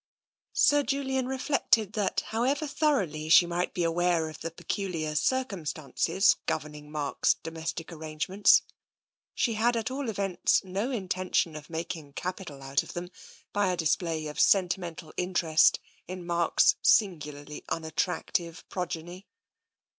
Sir Julian reflected that, however thoroughly she might be aware of the peculiar circumstances govern ing Mark's domestic arrangements, she had at all events no intention of making capital out of them by a display of sentimental interest in Mark's singularly unattractive progeny.